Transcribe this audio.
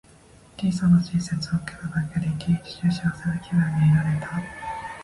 小さな親切を受けただけで、一日中幸せな気分でいられた。